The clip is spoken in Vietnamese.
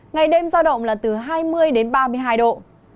ngày đêm giao động là từ hai mươi đến ba mươi hai độ